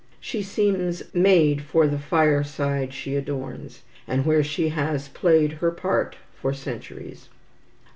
She seems made for the fireside she adorns, and where she has played her part for centuries.